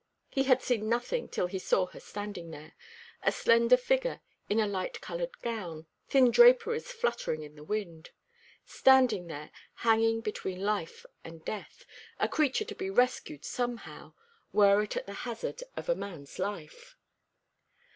He had seen nothing till he saw her standing there, a slender figure in a light coloured gown, thin draperies fluttering in the wind standing there, hanging between life and death, a creature to be rescued somehow, were it at the hazard of a man's life.